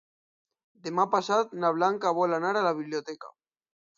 Demà passat na Blanca vol anar a la biblioteca.